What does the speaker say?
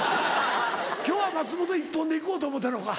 今日は松本一本で行こうと思ったのか。